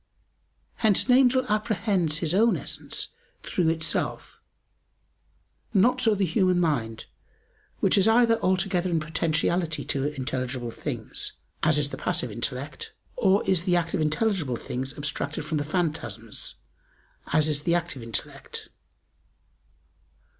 Hence an angel apprehends his own essence through itself: not so the human mind, which is either altogether in potentiality to intelligible things as is the passive intellect or is the act of intelligible things abstracted from the phantasms as is the active intellect.